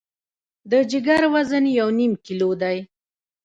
د جګر وزن یو نیم کیلو دی.